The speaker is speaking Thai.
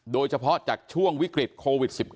โดยเฉพาะจากช่วงวิกฤตโควิด๑๙